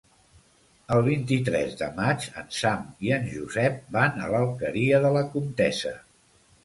El vint-i-tres de maig en Sam i en Josep van a l'Alqueria de la Comtessa.